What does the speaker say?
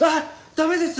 駄目です。